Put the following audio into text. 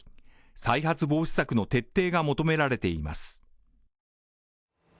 再発防止策の徹底が求められています。